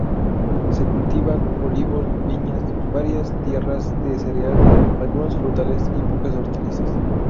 Se cultivan olivos, viñas, varias tierras de cereal, algunos frutales y pocas hortalizas.